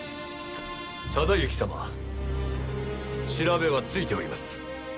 定行様調べはついております。